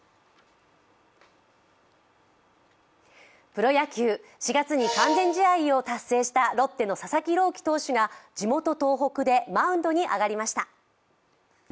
プロ野球、４月に完全試合を達成したロッテの佐々木朗希投手が地元東北でマウンドに上がりました。